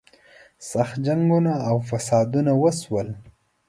سخت جنګونه او فسادونه وشول.